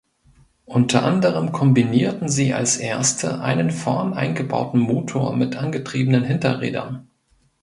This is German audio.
Unter anderem kombinierten sie als erste einen vorn eingebauten Motor mit angetriebenen Hinterrädern.